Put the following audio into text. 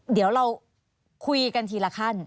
เดี๋ยวเราคุยกันทีละขั้น